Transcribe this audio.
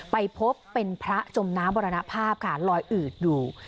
ไปพบเป็นพระจมน้ำมรณภาพค่ะลอยอืดอยู่